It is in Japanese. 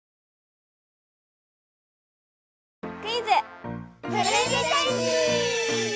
クイズ！